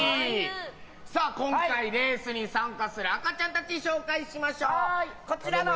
今回、レースに参加する赤ちゃんたちを紹介しましょう。